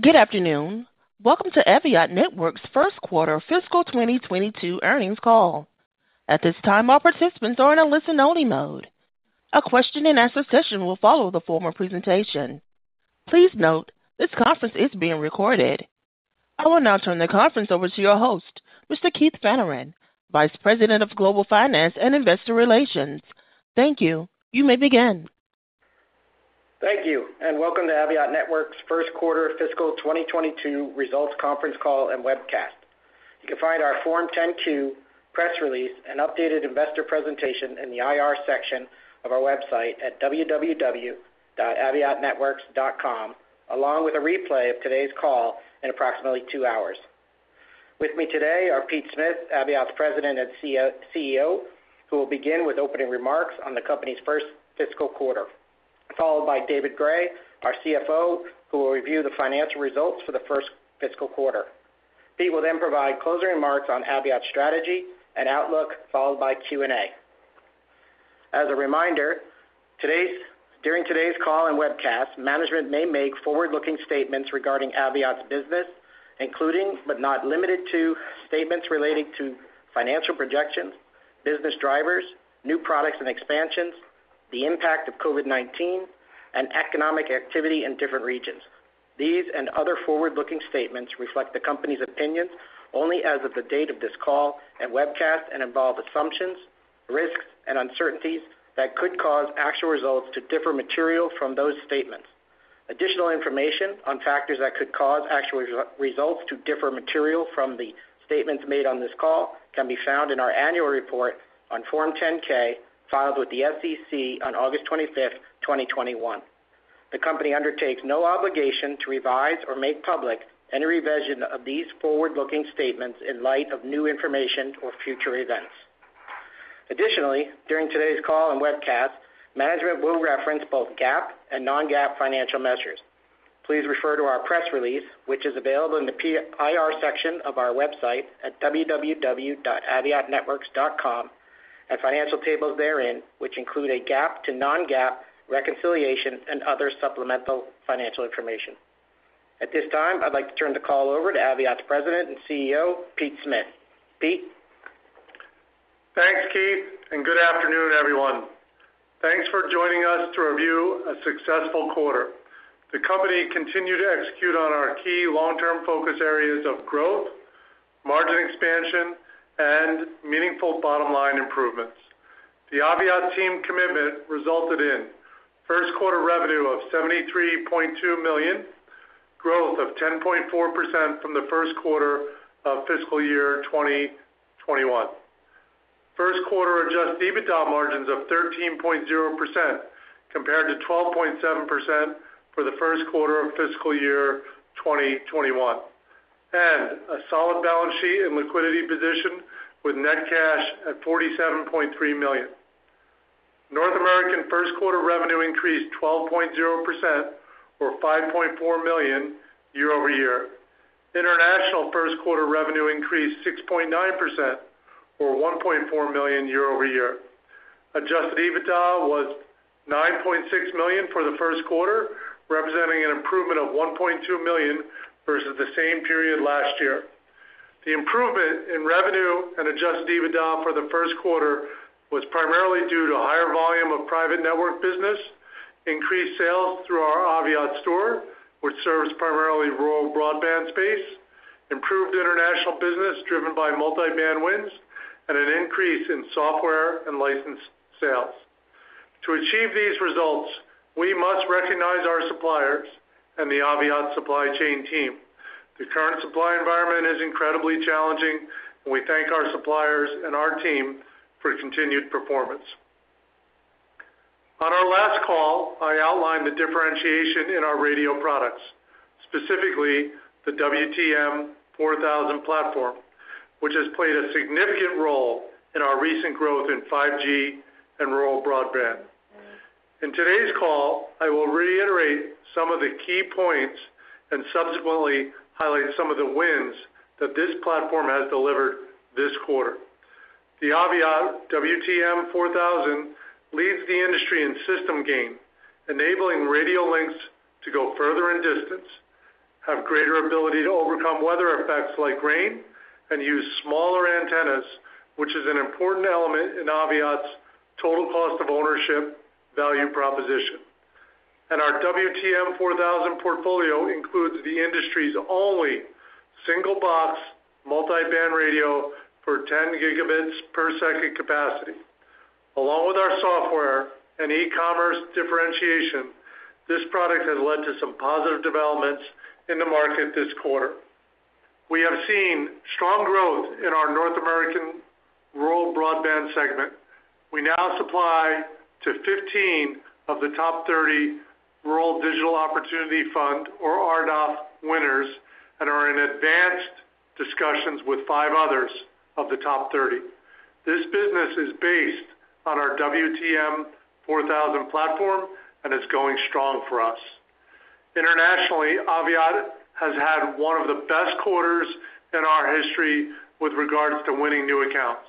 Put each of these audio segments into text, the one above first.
Good afternoon. Welcome to Aviat Networks' first quarter fiscal 2022 earnings call. At this time, all participants are in a listen-only mode. A question-and-answer session will follow the formal presentation. Please note, this conference is being recorded. I will now turn the conference over to your host, Mr. Keith Fanneron, Vice President of Global Finance and Investor Relations. Thank you. You may begin. Thank you, and welcome to Aviat Networks' first quarter fiscal 2022 results conference call and webcast. You can find our Form 10-Q, press release, and updated investor presentation in the IR section of our website at www.aviatnetworks.com, along with a replay of today's call in approximately two hours. With me today are Pete Smith, Aviat's President and CEO, who will begin with opening remarks on the company's first fiscal quarter, followed by David Gray, our CFO, who will review the financial results for the first fiscal quarter. Pete will then provide closing remarks on Aviat's strategy and outlook, followed by Q&A. As a reminder, during today's call and webcast, management may make forward-looking statements regarding Aviat's business, including, but not limited to, statements relating to financial projections, business drivers, new products and expansions, the impact of COVID-19, and economic activity in different regions. These and other forward-looking statements reflect the company's opinions only as of the date of this call and webcast and involve assumptions, risks, and uncertainties that could cause actual results to differ materially from those statements. Additional information on factors that could cause actual results to differ materially from the statements made on this call can be found in our annual report on Form 10-K, filed with the SEC on August 25, 2021. The company undertakes no obligation to revise or make public any revision of these forward-looking statements in light of new information or future events. Additionally, during today's call and webcast, management will reference both GAAP and non-GAAP financial measures. Please refer to our press release, which is available in the IR section of our website at www.aviatnetworks.com, and financial tables therein, which include a GAAP to non-GAAP reconciliation and other supplemental financial information. At this time, I'd like to turn the call over to Aviat's President and CEO, Pete Smith. Pete? Thanks, Keith, and good afternoon, everyone. Thanks for joining us to review a successful quarter. The company continued to execute on our key long-term focus areas of growth, margin expansion, and meaningful bottom-line improvements. The Aviat team commitment resulted in first quarter revenue of $73.2 million, growth of 10.4% from the first quarter of fiscal year 2021. First quarter adjusted EBITDA margins of 13.0% compared to 12.7% for the first quarter of fiscal year 2021. A solid balance sheet and liquidity position with net cash at $47.3 million. North American first quarter revenue increased 12.0% or $5.4 million year-over-year. International first quarter revenue increased 6.9% or $1.4 million year-over-year. Adjusted EBITDA was $9.6 million for the first quarter, representing an improvement of $1.2 million versus the same period last year. The improvement in revenue and adjusted EBITDA for the first quarter was primarily due to higher volume of private network business, increased sales through our Aviat Store, which serves primarily rural broadband space, improved international business driven by multi-band wins, and an increase in software and license sales. To achieve these results, we must recognize our suppliers and the Aviat supply chain team. The current supply environment is incredibly challenging, and we thank our suppliers and our team for continued performance. On our last call, I outlined the differentiation in our radio products, specifically the WTM 4000 platform, which has played a significant role in our recent growth in 5G and rural broadband. In today's call, I will reiterate some of the key points and subsequently highlight some of the wins that this platform has delivered this quarter. The Aviat WTM 4000 leads the industry in system gain, enabling radio links to go further in distance, have greater ability to overcome weather effects like rain, and use smaller antennas, which is an important element in Aviat's total cost of ownership value proposition. Our WTM 4000 portfolio includes the industry's only single-box multi-band radio for 10 Gbps capacity. Along with our software and e-commerce differentiation, this product has led to some positive developments in the market this quarter. We have seen strong growth in our North American rural broadband segment. We now supply to 15 of the top 30 Rural Digital Opportunity Fund, or RDOF, winners and are in advanced discussions with five others of the top 30. This business is based on our WTM 4000 platform, and it's going strong for us. Internationally, Aviat has had one of the best quarters in our history with regards to winning new accounts.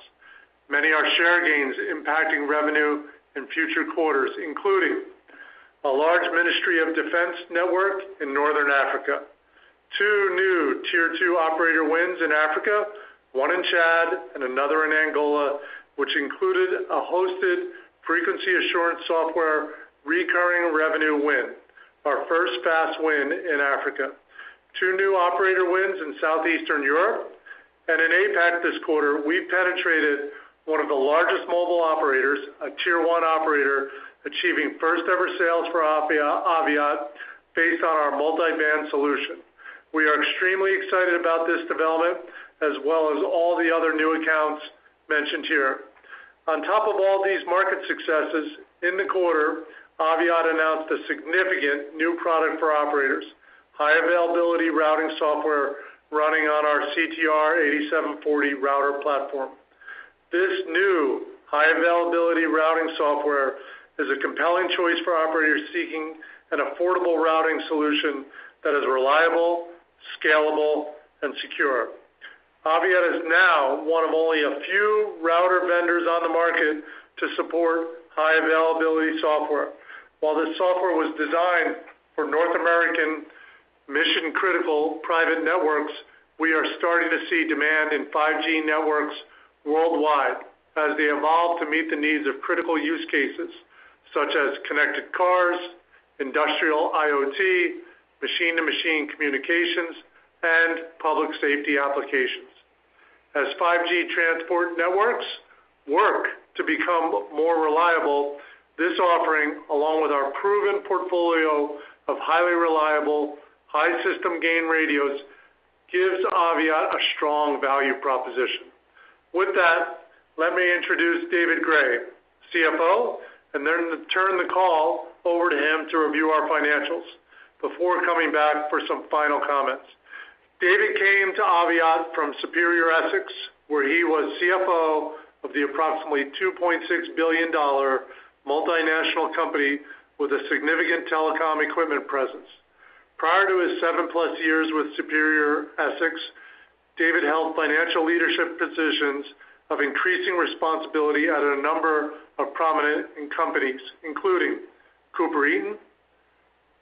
Many are share gains impacting revenue in future quarters, including a large Ministry of Defense network in Northern Africa, two new tier-two operator wins in Africa, one in Chad and another in Angola, which included a hosted Frequency Assurance Software recurring revenue win, our first FAS win in Africa, two new operator wins in Southeastern Europe. In APAC this quarter, we penetrated one of the largest mobile operators, a tier-one operator, achieving first-ever sales for Aviat based on our multi-band solution. We are extremely excited about this development as well as all the other new accounts mentioned here. On top of all these market successes, in the quarter, Aviat announced a significant new product for operators, High Availability routing software running on our CTR 8740 router platform. This new High Availability routing software is a compelling choice for operators seeking an affordable routing solution that is reliable, scalable, and secure. Aviat is now one of only a few router vendors on the market to support High Availability software. While this software was designed for North American mission-critical private networks, we are starting to see demand in 5G networks worldwide as they evolve to meet the needs of critical use cases, such as connected cars, industrial IoT, machine-to-machine communications, and public safety applications. As 5G transport networks work to become more reliable, this offering, along with our proven portfolio of highly reliable high system gain radios, gives Aviat a strong value proposition. With that, let me introduce David Gray, CFO, and then turn the call over to him to review our financials before coming back for some final comments. David came to Aviat from Superior Essex, where he was CFO of the approximately $2.6 billion multinational company with a significant telecom equipment presence. Prior to his 7+ years with Superior Essex, David held financial leadership positions of increasing responsibility at a number of prominent companies, including Cooper, Eaton,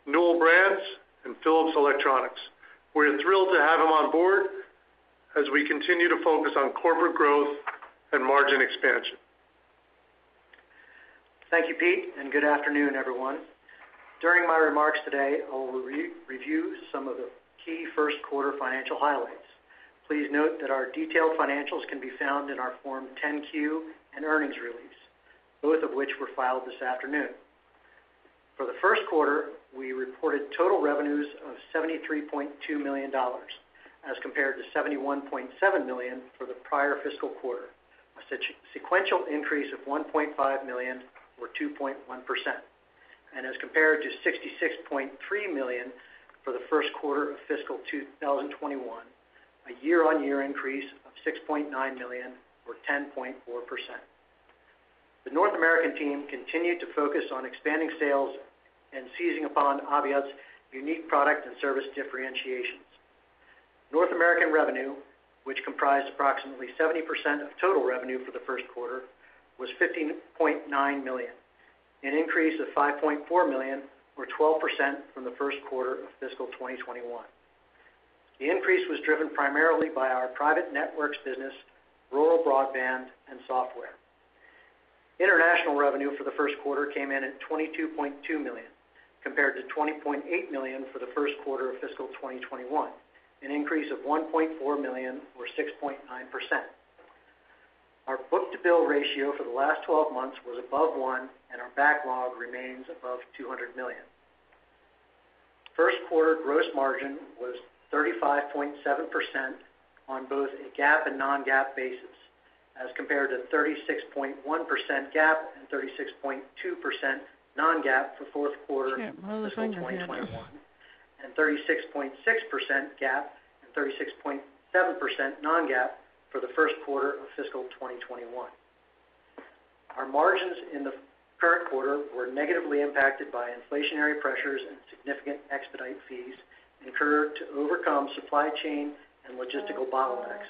Newell Brands, and Philips Electronics. We're thrilled to have him on board as we continue to focus on corporate growth and margin expansion. Thank you, Pete, and good afternoon, everyone. During my remarks today, I will review some of the key first quarter financial highlights. Please note that our detailed financials can be found in our Form 10-Q and earnings release, both of which were filed this afternoon. For the first quarter, we reported total revenues of $73.2 million as compared to $71.7 million for the prior fiscal quarter, a sequential increase of $1.5 million or 2.1%, and as compared to $66.3 million for the first quarter of fiscal 2021, a year-over-year increase of $6.9 million or 10.4%. The North American team continued to focus on expanding sales and seizing upon Aviat's unique product and service differentiations. North American revenue, which comprised approximately 70% of total revenue for the first quarter, was $50.9 million, an increase of $5.4 million or 12% from the first quarter of fiscal 2021. The increase was driven primarily by our private networks business, rural broadband, and software. International revenue for the first quarter came in at $22.2 million compared to $20.8 million for the first quarter of fiscal 2021, an increase of $1.4 million or 6.9%. Our book-to-bill ratio for the last 12 months was above one, and our backlog remains above $200 million. First quarter gross margin was 35.7% on both a GAAP and non-GAAP basis as compared to 36.1% GAAP and 36.2% non-GAAP for fourth quarter fiscal 2021 and 36.6% GAAP and 36.7% non-GAAP for the first quarter of fiscal 2021. Our margins in the current quarter were negatively impacted by inflationary pressures and significant expedite fees incurred to overcome supply chain and logistical bottlenecks.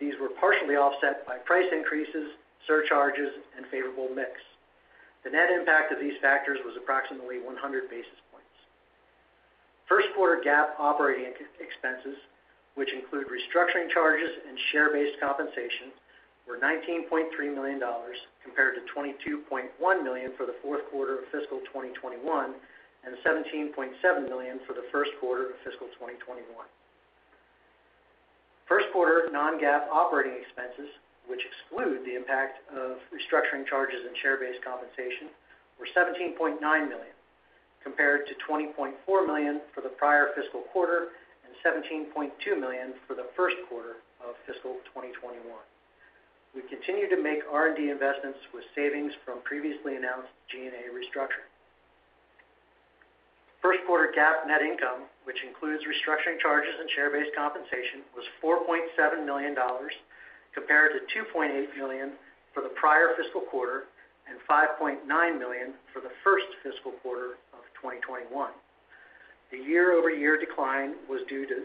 These were partially offset by price increases, surcharges, and favorable mix. The net impact of these factors was approximately 100 basis points. First quarter GAAP operating expenses, which include restructuring charges and share-based compensation, were $19.3 million compared to $22.1 million for the fourth quarter of fiscal 2021 and $17.7 million for the first quarter of fiscal 2021. First quarter non-GAAP operating expenses, which exclude the impact of restructuring charges and share-based compensation, were $17.9 million compared to $20.4 million for the prior fiscal quarter and $17.2 million for the first quarter of fiscal 2021. We continue to make R&D investments with savings from previously announced G&A restructuring. First quarter GAAP net income, which includes restructuring charges and share-based compensation, was $4.7 million compared to $2.8 million for the prior fiscal quarter and $5.9 million for the first fiscal quarter of 2021. The year-over-year decline was due to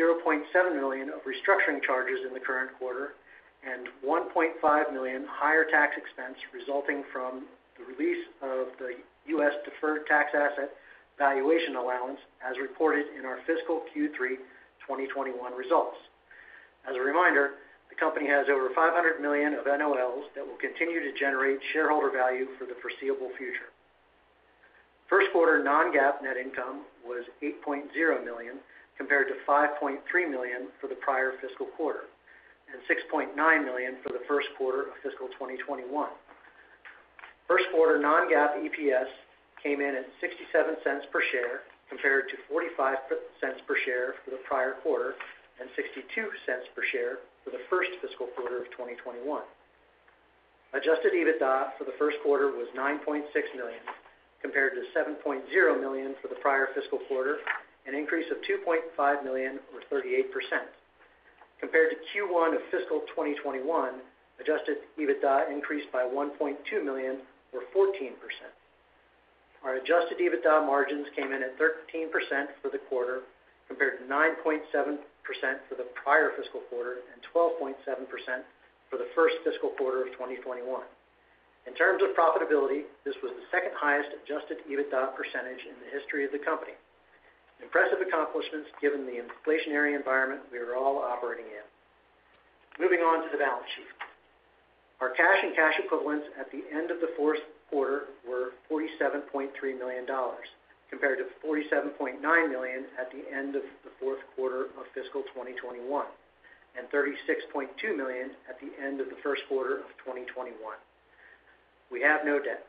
$0.7 million of restructuring charges in the current quarter and $1.5 million higher tax expense resulting from the release of the U.S. deferred tax asset valuation allowance, as reported in our fiscal Q3 2021 results. As a reminder, the company has over $500 million of NOLs that will continue to generate shareholder value for the foreseeable future. First quarter non-GAAP net income was $8.0 million compared to $5.3 million for the prior fiscal quarter, and $6.9 million for the first quarter of fiscal 2021. First quarter non-GAAP EPS came in at $0.67 per share, compared to $0.45 per share for the prior quarter, and $0.62 per share for the first fiscal quarter of 2021. Adjusted EBITDA for the first quarter was $9.6 million, compared to $7.0 million for the prior fiscal quarter, an increase of $2.5 million or 38%. Compared to Q1 of fiscal 2021, adjusted EBITDA increased by $1.2 million or 14%. Our adjusted EBITDA margins came in at 13% for the quarter compared to 9.7% for the prior fiscal quarter and 12.7% for the first fiscal quarter of 2021. In terms of profitability, this was the second highest adjusted EBITDA percentage in the history of the company. Impressive accomplishments given the inflationary environment we are all operating in. Moving on to the balance sheet. Our cash and cash equivalents at the end of the fourth quarter were $47.3 million, compared to $47.9 million at the end of the fourth quarter of fiscal 2021, and $36.2 million at the end of the first quarter of 2021. We have no debt.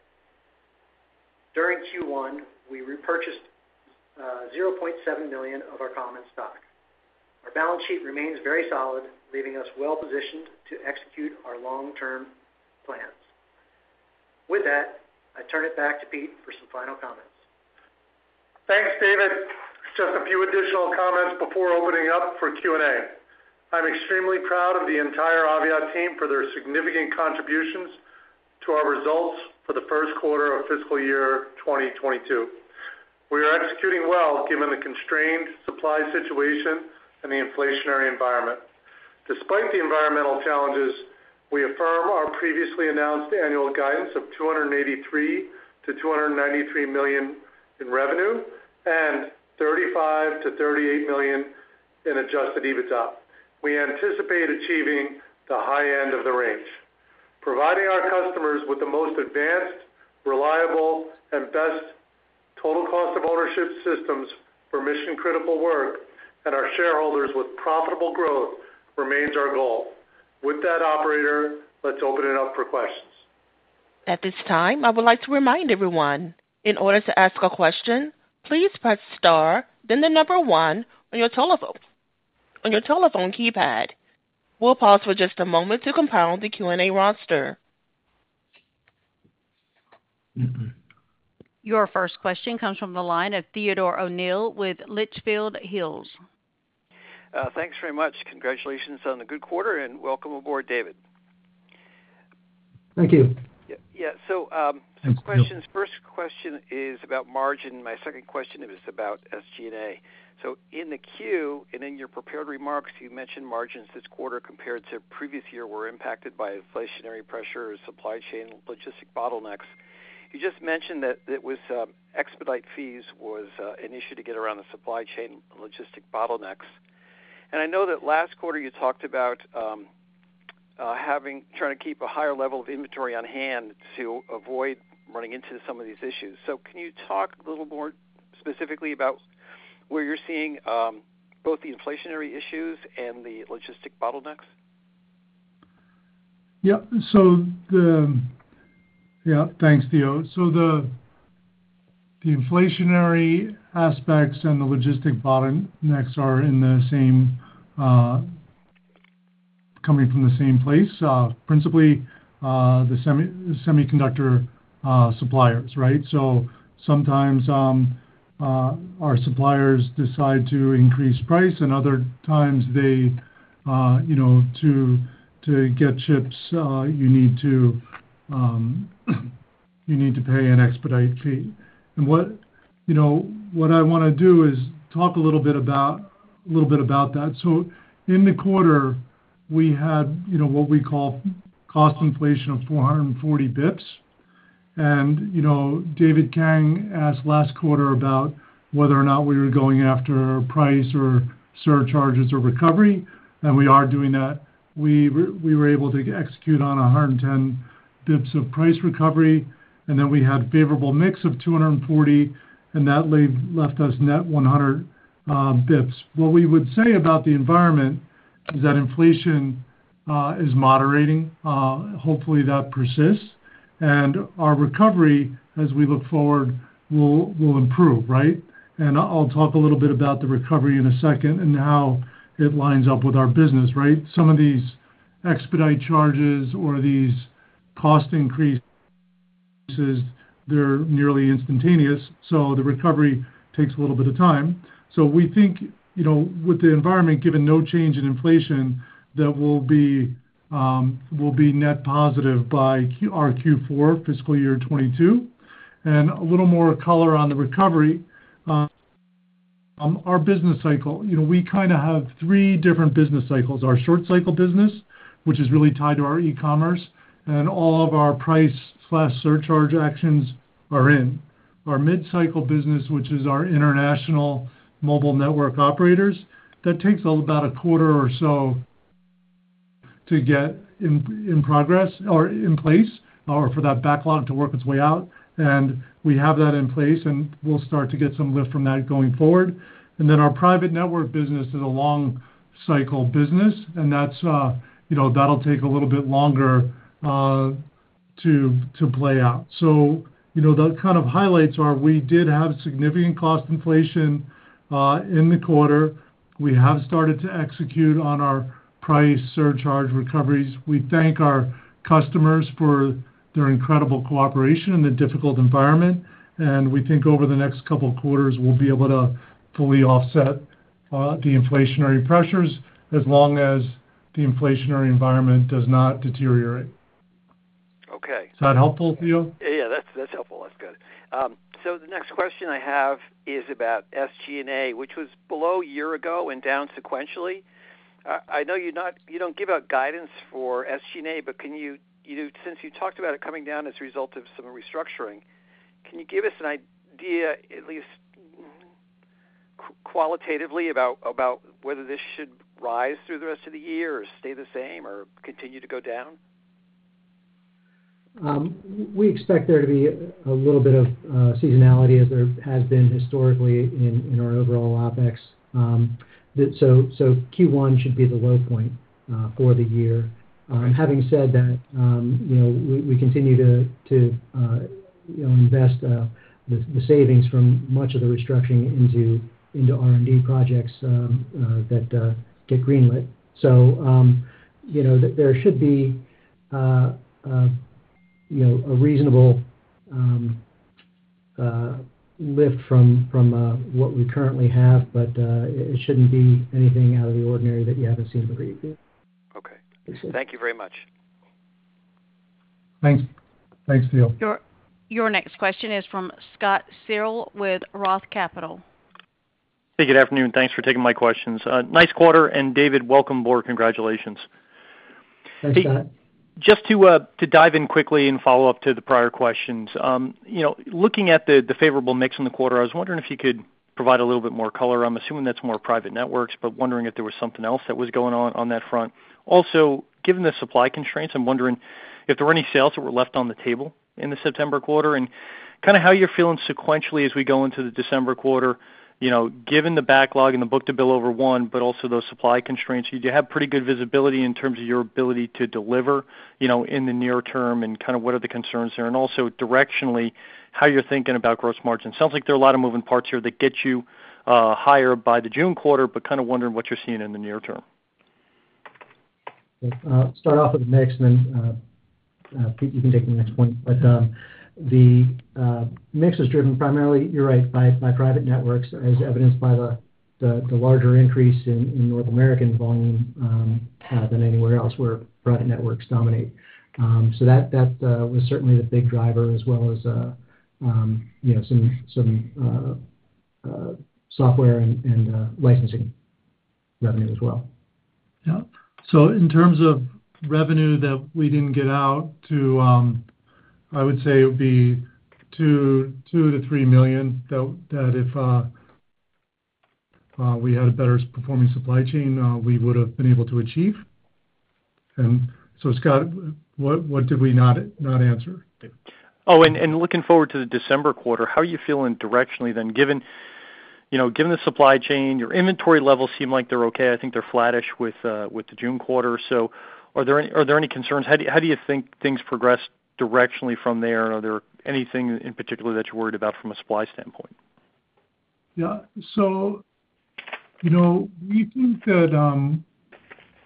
During Q1, we repurchased $0.7 million of our common stock. Our balance sheet remains very solid, leaving us well-positioned to execute our long-term plans. With that, I turn it back to Pete for some final comments. Thanks, David. Just a few additional comments before opening up for Q&A. I'm extremely proud of the entire Aviat team for their significant contributions to our results for the first quarter of fiscal year 2022. We are executing well given the constrained supply situation and the inflationary environment. Despite the environmental challenges, we affirm our previously announced annual guidance of $283 million-$293 million in revenue and $35 million-$38 million in adjusted EBITDA. We anticipate achieving the high end of the range. Providing our customers with the most advanced, reliable, and best total cost of ownership systems for mission-critical work and our shareholders with profitable growth remains our goal. With that, operator, let's open it up for questions. At this time, I would like to remind everyone, in order to ask a question, please press star, then the number one on your telephone keypad. We'll pause for just a moment to compile the Q&A roster. Your first question comes from the line of Theodore O'Neill with Litchfield Hills. Thanks very much. Congratulations on the good quarter, and welcome aboard, David. Thank you. Some questions. First question is about margin. My second question is about SG&A. In the queue, and in your prepared remarks, you mentioned margins this quarter compared to previous year were impacted by inflationary pressure or supply chain logistic bottlenecks. You just mentioned that it was, expedite fees was, an issue to get around the supply chain logistic bottlenecks. I know that last quarter you talked about trying to keep a higher level of inventory on hand to avoid running into some of these issues. Can you talk a little more specifically about where you're seeing both the inflationary issues and the logistic bottlenecks? Thanks, Theo. The inflationary aspects and the logistics bottlenecks are coming from the same place, principally, the semiconductor suppliers, right? Sometimes, our suppliers decide to increase price, and other times they, you know, to get chips, you need to pay an expedite fee. You know what I wanna do is talk a little bit about that. In the quarter, we had, you know, what we call cost inflation of 440 basis points. You know, David Kang asked last quarter about whether or not we were going after price or surcharges or recovery, and we are doing that. We were able to execute on 110 basis points of price recovery, and then we had favorable mix of 240, and that left us net 100 basis points. What we would say about the environment is that inflation is moderating. Hopefully, that persists. Our recovery, as we look forward, will improve, right? I'll talk a little bit about the recovery in a second and how it lines up with our business, right? Some of these expedite charges or these cost increase, they're nearly instantaneous, so the recovery takes a little bit of time. We think, you know, with the environment, given no change in inflation, that we'll be net positive by our Q4 fiscal year 2022. A little more color on the recovery, our business cycle, you know, we kind of have three different business cycles. Our short cycle business, which is really tied to our e-commerce, and all of our price surcharge actions are in. Our mid-cycle business, which is our international mobile network operators, that takes about a quarter or so to get in progress or in place or for that backlog to work its way out. We have that in place, and we'll start to get some lift from that going forward. Our private network business is a long cycle business, and that's, you know, that'll take a little bit longer to play out. You know, the kind of highlights are, we did have significant cost inflation in the quarter. We have started to execute on our price surcharge recoveries. We thank our customers for their incredible cooperation in the difficult environment, and we think over the next couple of quarters, we'll be able to fully offset the inflationary pressures as long as the inflationary environment does not deteriorate. Okay. Is that helpful, Theo? Yeah, that's helpful. That's good. The next question I have is about SG&A, which was below a year ago and down sequentially. I know you don't give out guidance for SG&A, but you know, since you talked about it coming down as a result of some restructuring, can you give us an idea, at least qualitatively, about whether this should rise through the rest of the year or stay the same or continue to go down? We expect there to be a little bit of seasonality as there has been historically in our overall OpEx. Q1 should be the low point for the year. Having said that, you know, we continue to invest the savings from much of the restructuring into R&D projects that get greenlit. You know, there should be a reasonable lift from what we currently have, but it shouldn't be anything out of the ordinary that you haven't seen previously. Okay. That's it. Thank you very much. Thanks. Thanks, Theo. Your next question is from Scott Searle with Roth Capital. Hey, good afternoon. Thanks for taking my questions. Nice quarter, David. Welcome aboard. Congratulations. Thanks, Scott. Just to dive in quickly and follow up to the prior questions, looking at the favorable mix in the quarter, I was wondering if you could provide a little bit more color. I'm assuming that's more private networks, but wondering if there was something else that was going on on that front. Also, given the supply constraints, I'm wondering if there were any sales that were left on the table in the September quarter and kinda how you're feeling sequentially as we go into the December quarter, given the backlog and the book-to-bill over one, but also those supply constraints. You have pretty good visibility in terms of your ability to deliver in the near term and kinda what are the concerns there. Also directionally, how you're thinking about gross margin. Sounds like there are a lot of moving parts here that get you higher by the June quarter, but kinda wondering what you're seeing in the near term. Okay. I'll start off with the mix, and then, Pete, you can take the next one. The mix is driven primarily, you're right, by private networks, as evidenced by the larger increase in North American volume than anywhere else where private networks dominate. So that was certainly the big driver as well as, you know, some software and licensing revenue as well. Yeah. In terms of revenue that we didn't get out to, I would say it would be $2 million-$3 million that if we had a better performing supply chain, we would've been able to achieve. Scott, what did we not answer? Looking forward to the December quarter, how are you feeling directionally then, given, you know, given the supply chain, your inventory levels seem like they're okay. I think they're flattish with the June quarter. Are there any concerns? How do you think things progress directionally from there? Are there anything in particular that you're worried about from a supply standpoint? Yeah, you know, we think that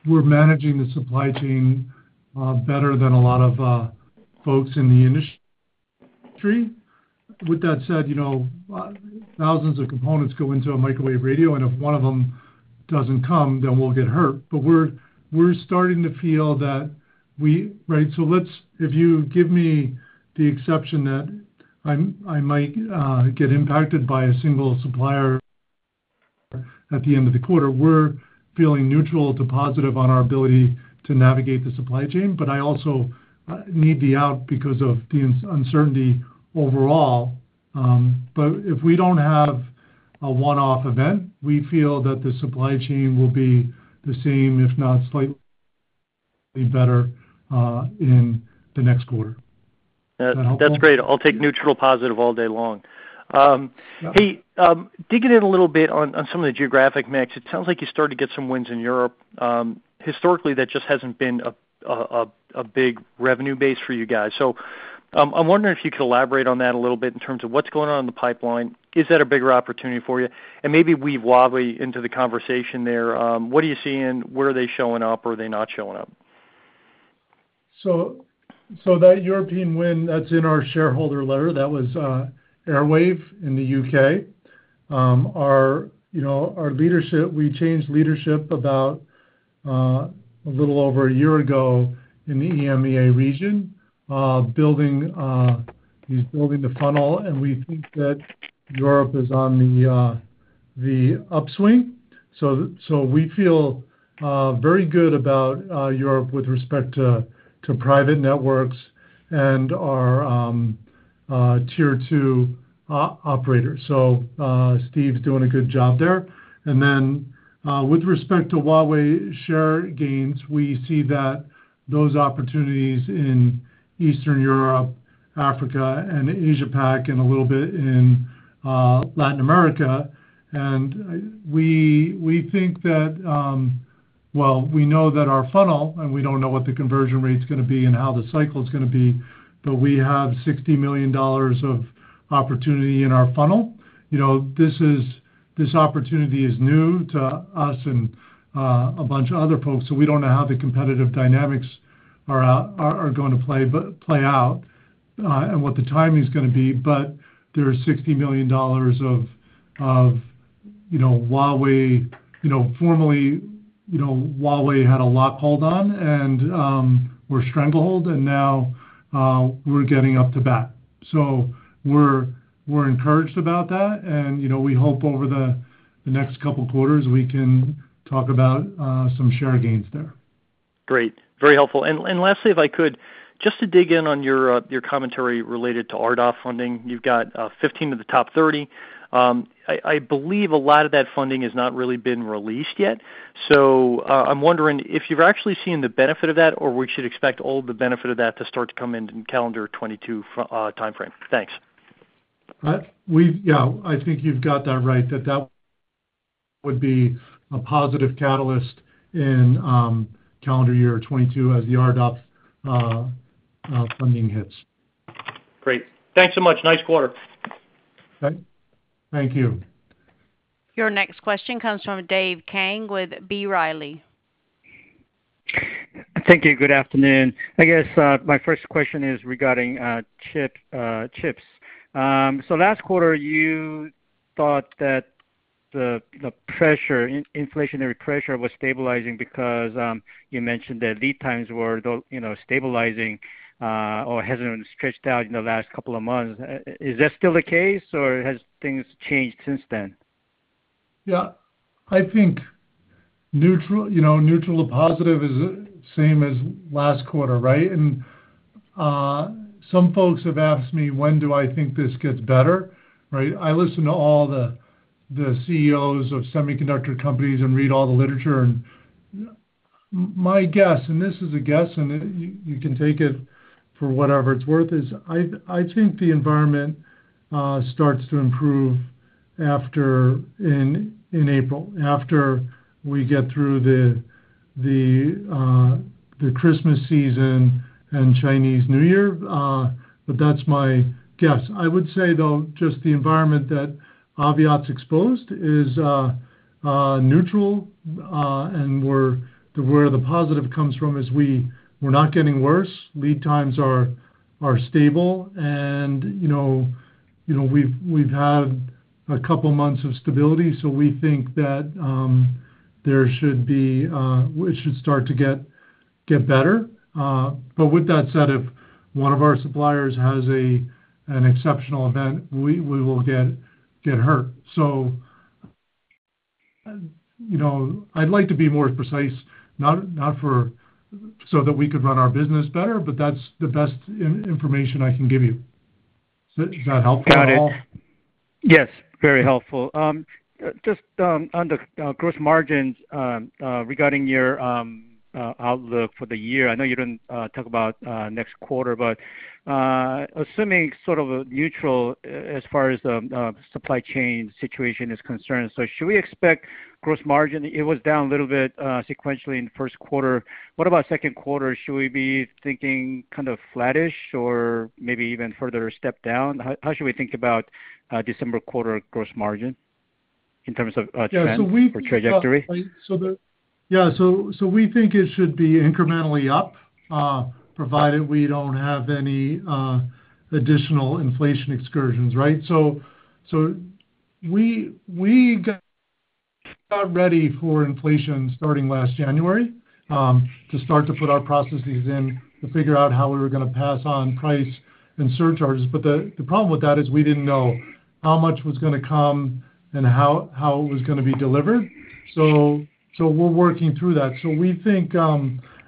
we're managing the supply chain better than a lot of folks in the industry. With that said, you know, thousands of components go into a microwave radio, and if one of them doesn't come, then we'll get hurt. We're starting to feel that we. Right? If you give me the exception that I might get impacted by a single supplier at the end of the quarter, we're feeling neutral to positive on our ability to navigate the supply chain. I also need the out because of the uncertainty overall. If we don't have a one-off event, we feel that the supply chain will be the same, if not slightly better, in the next quarter. That's great. I'll take neutral positive all day long. Hey, digging in a little bit on some of the geographic mix, it sounds like you're starting to get some wins in Europe. Historically, that just hasn't been a big revenue base for you guys. I'm wondering if you could elaborate on that a little bit in terms of what's going on in the pipeline. Is that a bigger opportunity for you? Maybe weave Huawei into the conversation there. What are you seeing? Where are they showing up? Are they not showing up? That European win that's in our shareholder letter was Airwave in the U.K. We changed leadership a little over a year ago in the EMEA region. He's building the funnel, and we think that Europe is on the upswing. We feel very good about Europe with respect to private networks and our tier-two operators. Steve's doing a good job there. With respect to Huawei share gains, we see that those opportunities in Eastern Europe, Africa, and Asia Pac and a little bit in Latin America. We think that Well, we know that our funnel and we don't know what the conversion rate's gonna be and how the cycle is gonna be, but we have $60 million of opportunity in our funnel. You know, this opportunity is new to us and a bunch of other folks, so we don't know how the competitive dynamics are going to play out and what the timing is gonna be. There are $60 million of, you know, Huawei, you know, formerly, you know, Huawei had a stranglehold on and were strangled, and now we're getting up to bat. We're encouraged about that, and you know, we hope over the next couple quarters we can talk about some share gains there. Great. Very helpful. Lastly, if I could, just to dig in on your commentary related to RDOF funding. You've got 15 of the top 30. I believe a lot of that funding has not really been released yet. I'm wondering if you've actually seen the benefit of that, or we should expect all the benefit of that to start to come in in calendar 2022 timeframe. Thanks. Yeah, I think you've got that right. That would be a positive catalyst in calendar year 2022 as the RDOF funding hits. Great. Thanks so much. Nice quarter. Thank you. Your next question comes from Dave Kang with B. Riley. Thank you. Good afternoon. I guess my first question is regarding chips. So last quarter you thought that the pressure, inflationary pressure was stabilizing because you mentioned that lead times were you know, stabilizing or hasn't been stretched out in the last couple of months. Is that still the case, or has things changed since then? Yeah. I think neutral, you know, neutral to positive is same as last quarter, right? Some folks have asked me, when do I think this gets better, right? I listen to all the CEOs of semiconductor companies and read all the literature. My guess, and this is a guess, and you can take it for whatever it's worth, is I think the environment starts to improve after, in April, after we get through the Christmas season and Chinese New Year. But that's my guess. I would say, though, just the environment that Aviat's exposed is neutral. And where the positive comes from is we're not getting worse. Lead times are stable, and you know, we've had a couple months of stability, so we think that it should start to get better. With that said, if one of our suppliers has an exceptional event, we will get hurt. You know, I'd like to be more precise, not so that we could run our business better, but that's the best information I can give you. Is that helpful at all? Got it. Yes, very helpful. Just on the gross margins regarding your outlook for the year. I know you didn't talk about next quarter, but assuming sort of a neutral as far as the supply chain situation is concerned. Should we expect gross margin? It was down a little bit sequentially in the first quarter. What about second quarter? Should we be thinking kind of flattish or maybe even further step down? How should we think about December quarter gross margin in terms of trend or trajectory? Yeah, we think it's up. We think it should be incrementally up, provided we don't have any additional inflation excursions, right? We're working through that. We think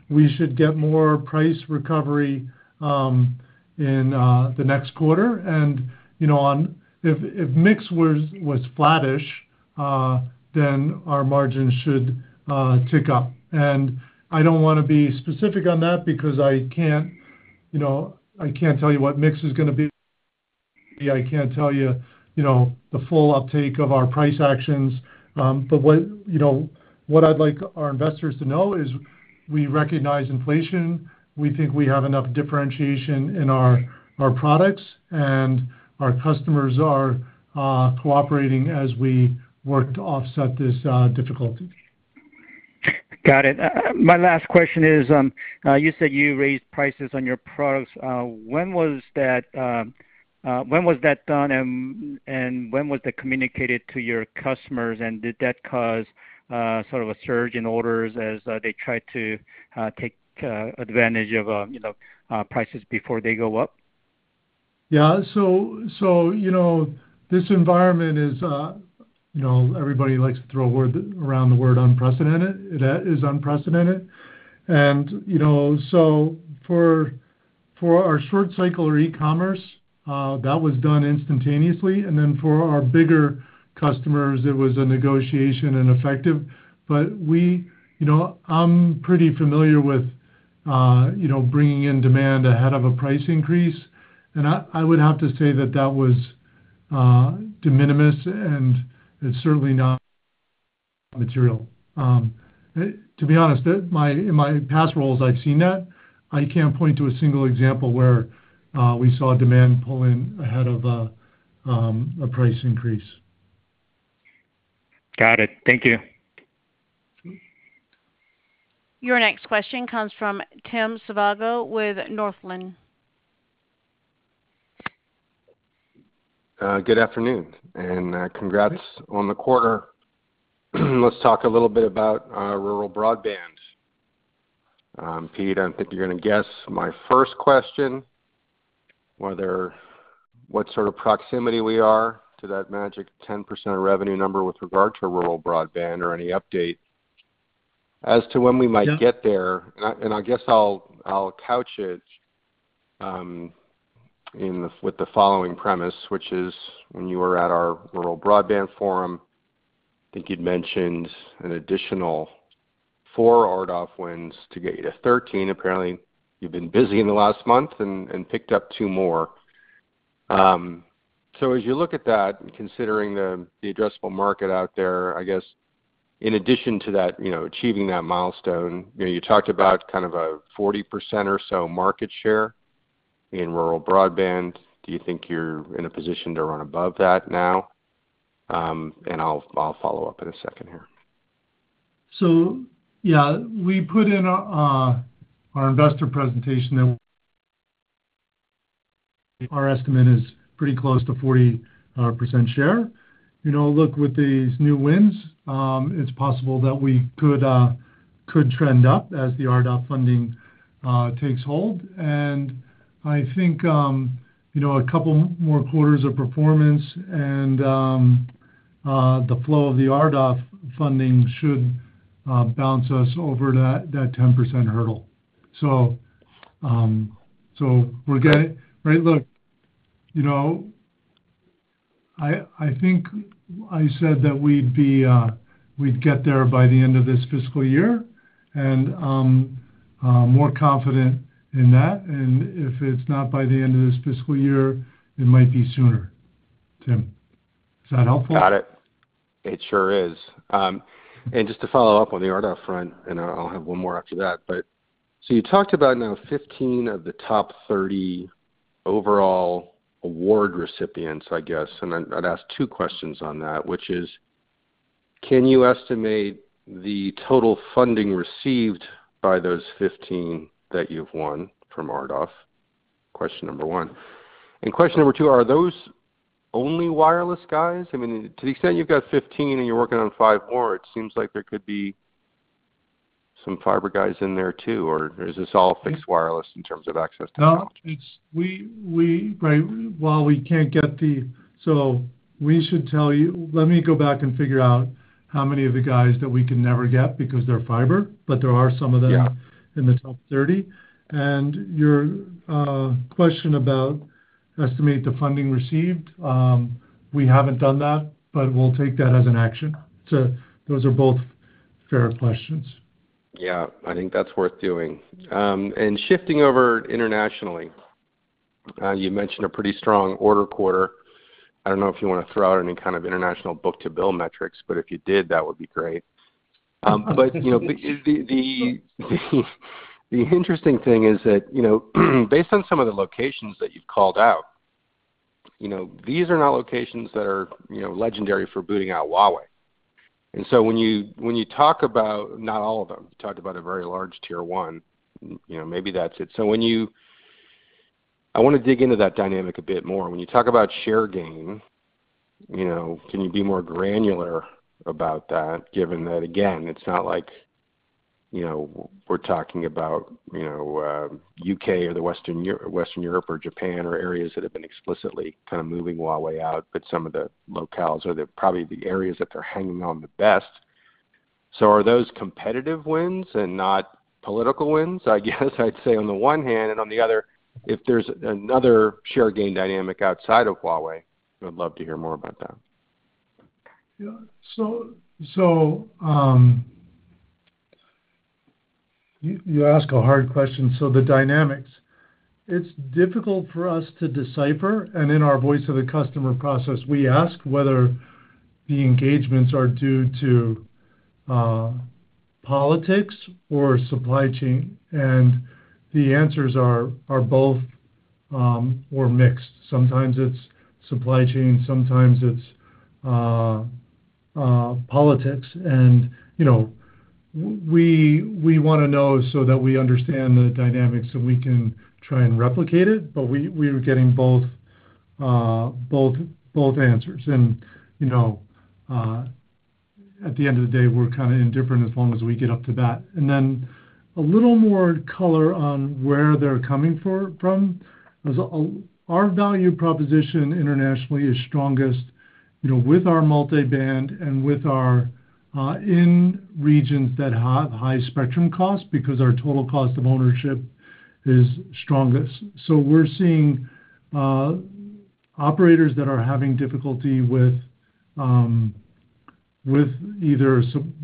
we should get more price recovery in the next quarter. You know, if mix was flattish, then our margins should tick up. I don't wanna be specific on that because I can't tell you what mix is gonna be. I can't tell you know, the full uptake of our price actions. What, you know, what I'd like our investors to know is we recognize inflation. We think we have enough differentiation in our products, and our customers are cooperating as we work to offset this difficulty. Got it. My last question is, you said you raised prices on your products. When was that done and when was that communicated to your customers? Did that cause sort of a surge in orders as they tried to take advantage of, you know, prices before they go up? Yeah, you know, this environment is, you know, everybody likes to throw a word around the word unprecedented. That is unprecedented. You know, for our short cycle or e-commerce, that was done instantaneously. Then for our bigger customers, it was a negotiation and effective. You know, I'm pretty familiar with, you know, bringing in demand ahead of a price increase. I would have to say that was de minimis, and it's certainly not material. To be honest, in my past roles, I've seen that. I can't point to a single example where we saw demand pull in ahead of a price increase. Got it. Thank you. Your next question comes from Tim Savageaux with Northland Capital Markets. Good afternoon, and congrats on the quarter. Let's talk a little bit about rural broadband. Pete, I think you're gonna guess my first question, whether what sort of proximity we are to that magic 10% revenue number with regard to rural broadband or any update as to when we might get there. Yeah. I guess I'll couch it with the following premise, which is when you were at our rural broadband forum, I think you'd mentioned an additional four RDOF wins to get you to 13. Apparently, you've been busy in the last month and picked up two more. As you look at that and considering the addressable market out there, I guess in addition to that, you know, achieving that milestone, you know, you talked about kind of a 40% or so market share in rural broadband. Do you think you're in a position to run above that now? I'll follow up in a second here. Yeah, we put in our investor presentation that our estimate is pretty close to 40% share. You know, look, with these new wins, it's possible that we could trend up as the RDOF funding takes hold. I think, you know, a couple more quarters of performance and the flow of the RDOF funding should bounce us over that 10% hurdle. Right. Look, you know, I think I said that we'd get there by the end of this fiscal year, and I'm more confident in that. If it's not by the end of this fiscal year, it might be sooner, Tim. Is that helpful? Got it. It sure is. Just to follow up on the RDOF front, and I'll have one more after that. You talked about now 15 of the top 30 overall award recipients, I guess. Then I'd ask two questions on that, which is, can you estimate the total funding received by those 15 that you've won from RDOF? Question number one. Question number two, are those only wireless guys? I mean, to the extent you've got 15 and you're working on five more, it seems like there could be some fiber guys in there too, or is this all fixed wireless in terms of access technology? No. It's we, right. We should tell you, let me go back and figure out how many of the guys that we can never get because they're fiber, but there are some of them. Yeah in the top 30. Your question about estimating the funding received, we haven't done that, but we'll take that as an action. Those are both fair questions. Yeah. I think that's worth doing. Shifting over internationally, you mentioned a pretty strong order quarter. I don't know if you wanna throw out any kind of international book-to-bill metrics, but if you did, that would be great. You know, the interesting thing is that, you know, based on some of the locations that you've called out, you know, these are not locations that are, you know, legendary for booting out Huawei. When you talk about not all of them, you talked about a very large tier one, you know, maybe that's it. I wanna dig into that dynamic a bit more. When you talk about share gain, you know, can you be more granular about that given that, again, it's not like, you know, we're talking about, you know, U.K. or Western Europe or Japan or areas that have been explicitly kind of moving Huawei out, but some of the locales or probably the areas that they're hanging on the best. So are those competitive wins and not political wins? I guess I'd say on the one hand, and on the other, if there's another share gain dynamic outside of Huawei, I would love to hear more about that. Yeah. You ask a hard question. The dynamics, it's difficult for us to decipher, and in our voice of the customer process, we ask whether the engagements are due to politics or supply chain, and the answers are both or mixed. Sometimes it's supply chain, sometimes it's politics. You know, we wanna know so that we understand the dynamics, so we can try and replicate it. We're getting both answers. You know, at the end of the day, we're kinda indifferent as long as we get up to that. Then a little more color on where they're coming from. Our value proposition internationally is strongest, you know, with our multi-band and with our in regions that have high spectrum costs because our total cost of ownership is strongest. We're seeing operators that are having difficulty with either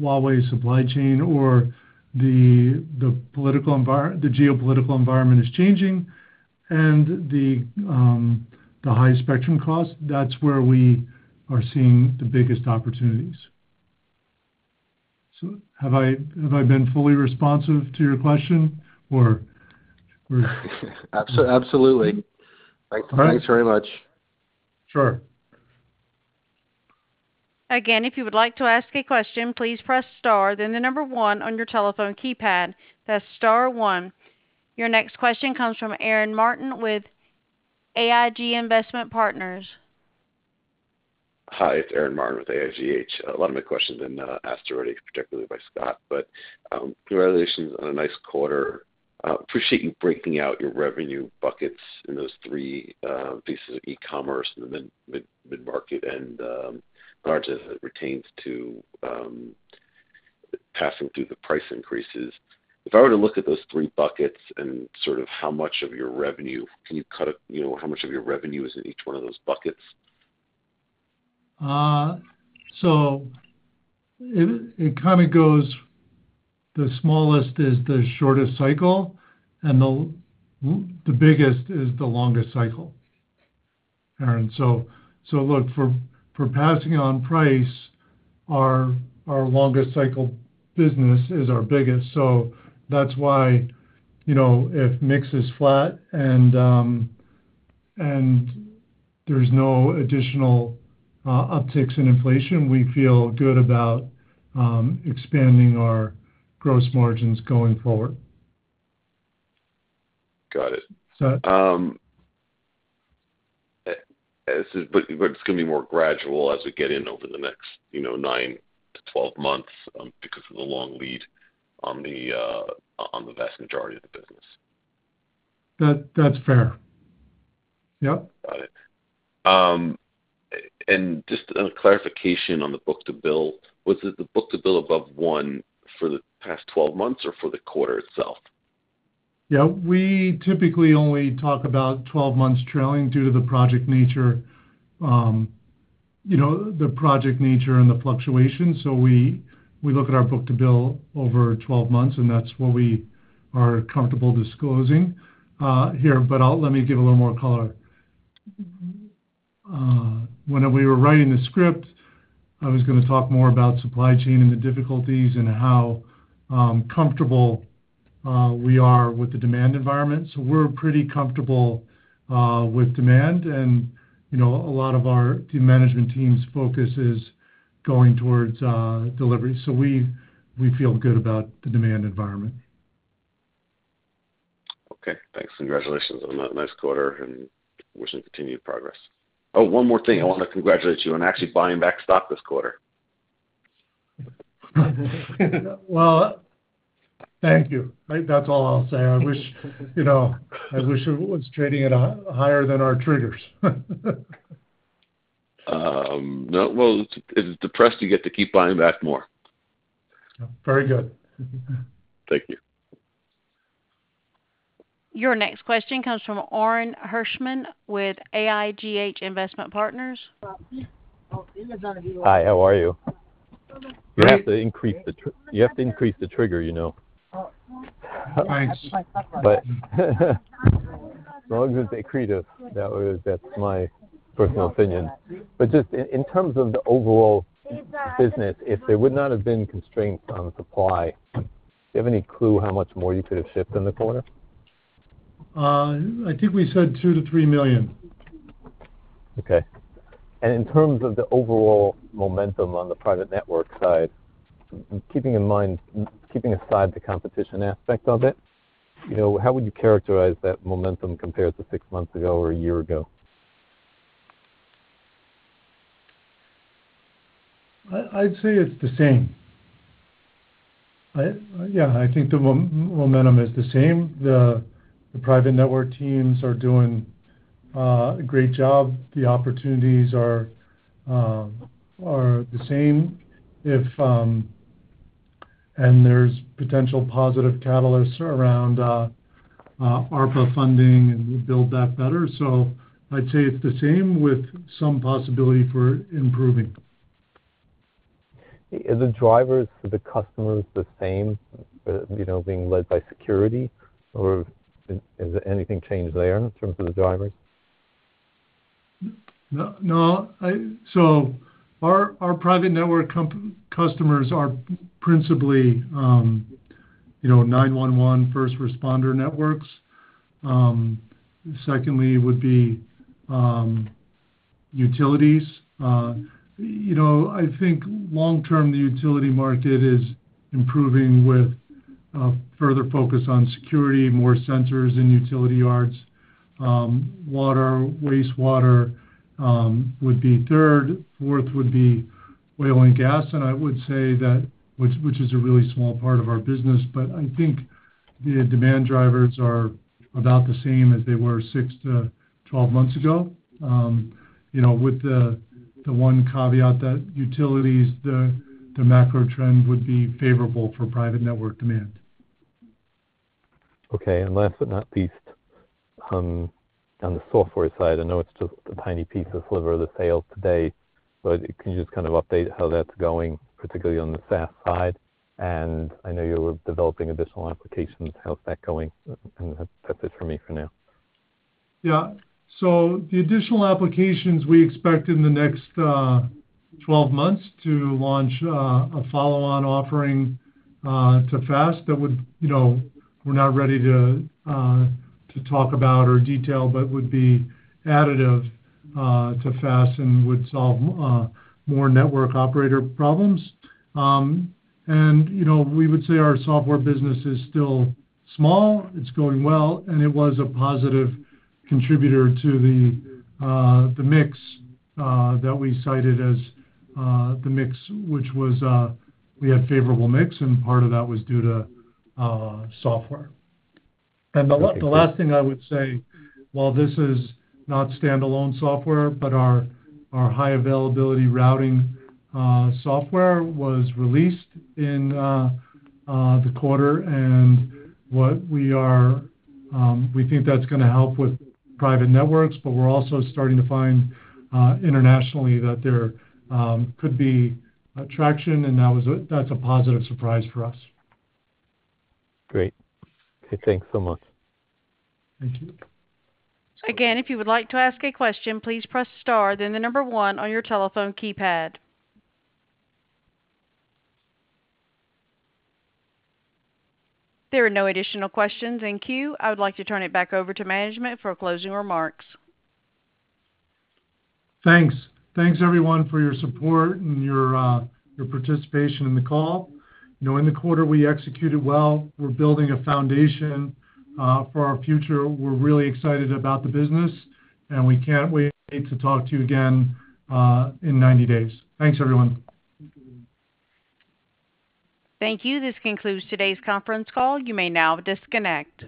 Huawei supply chain or the geopolitical environment is changing and the high spectrum costs. That's where we are seeing the biggest opportunities. Have I been fully responsive to your question or Abso-absolutely. All right. Thanks very much. Sure. Again, if you would like to ask a question, please press star then the number one on your telephone keypad. That's star one. Your next question comes from Aaron Martin with AIGH Investment Partners. Hi, it's Aaron Martin with AIGH. A lot of my questions have been asked already, particularly by Scott. Congratulations on a nice quarter. Appreciate you breaking out your revenue buckets in those three pieces of e-commerce and then midmarket. As far as it relates to passing through the price increases. If I were to look at those three buckets, how much of your revenue is in each one of those buckets? It kinda goes the smallest is the shortest cycle, and the biggest is the longest cycle, Aaron. Look, for passing on price, our longest cycle business is our biggest. That's why, you know, if mix is flat and there's no additional upticks in inflation, we feel good about expanding our gross margins going forward. Got it. So. It's gonna be more gradual as we get in over the next, you know, nine to 12 months, because of the long lead on the vast majority of the business. That, that's fair. Yep. Got it. Just a clarification on the book-to-bill. Was it the book-to-bill above one for the past 12 months or for the quarter itself? Yeah. We typically only talk about 12 months trailing due to the project nature, you know, and the fluctuation. We look at our book-to-bill over 12 months, and that's what we are comfortable disclosing here. Let me give a little more color. When we were writing the script, I was gonna talk more about supply chain and the difficulties and how comfortable we are with the demand environment. We're pretty comfortable with demand and, you know, a lot of our team management team's focus is going towards delivery. We feel good about the demand environment. Okay. Thanks. Congratulations on a nice quarter and wish you continued progress. Oh, one more thing. I wanna congratulate you on actually buying back stock this quarter. Well, thank you. Right, that's all I'll say. I wish, you know, it was trading at a higher than our triggers. No, well, it's depressed, you get to keep buying back more. Very good. Thank you. Your next question comes from Orin Hirschman with AIGH Investment Partners. Hi, how are you? Great. You have to increase the trigger, you know. Thanks. As long as it's accretive, that way that's my personal opinion. Just in terms of the overall business, if there would not have been constraints on supply, do you have any clue how much more you could have shipped in the quarter? I think we said $2 million-$3 million. Okay. In terms of the overall momentum on the private network side, keeping aside the competition aspect of it, you know, how would you characterize that momentum compared to six months ago or a year ago? I'd say it's the same. Yeah, I think the momentum is the same. The private network teams are doing a great job. The opportunities are the same if there's potential positive catalysts around ARPA funding, and we build that better. I'd say it's the same with some possibility for improving. Is the drivers for the customers the same, you know, being led by security or has anything changed there in terms of the drivers? No, no, our private network customers are principally, you know, 911 first responder networks. Secondly, utilities. You know, I think long term, the utility market is improving with a further focus on security, more sensors in utility yards. Water, wastewater would be third. Fourth would be oil and gas. I would say that, which is a really small part of our business, but I think the demand drivers are about the same as they were six to 12 months ago. You know, with the one caveat that utilities, the macro trend would be favorable for private network demand. Okay. Last but not least, on the software side, I know it's just a tiny piece or sliver of the sale today, but can you just kind of update how that's going, particularly on the SaaS side? I know you're developing additional applications. How's that going? That's it for me for now. Yeah. The additional applications we expect in the next 12 months to launch a follow-on offering to FAST that would, you know, we're not ready to talk about or detail, but would be additive to FAST and would solve more network operator problems. You know, we would say our software business is still small, it's going well, and it was a positive contributor to the mix that we cited as the mix, which was we had favorable mix, and part of that was due to software. Okay, great. The last thing I would say, while this is not standalone software, but our High Availability routing software was released in the quarter, and we think that's gonna help with private networks, but we're also starting to find internationally that there could be traction, and that's a positive surprise for us. Great. Okay, thanks so much. Thank you. If you would like to ask a question, please press star then the number one on your telephone keypad. There are no additional questions in queue. I would like to turn it back over to management for closing remarks. Thanks. Thanks, everyone for your support and your participation in the call. You know, in the quarter we executed well. We're building a foundation for our future. We're really excited about the business, and we can't wait to talk to you again in 90 days. Thanks, everyone. Thank you. This concludes today's conference call. You may now disconnect.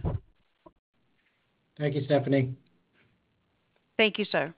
Thank you, Stephanie. Thank you, sir.